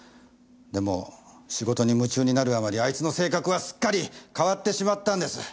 でも仕事に夢中になるあまりあいつの性格はすっかり変わってしまったんです。